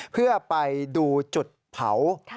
เพื่อไปดูจุดเผา